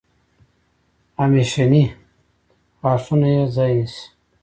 همیشني غاښونه یې ځای نیسي.